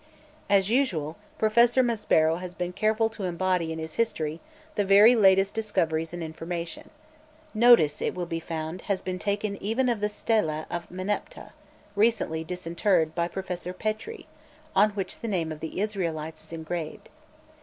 As usual, Professor Maspero has been careful to embody in his history the very latest discoveries and information. Notice, it will be found, has been taken even of the stela of Meneptah, recently disinterred by Professor Pétrie, on which the name of the Israelites is engraved.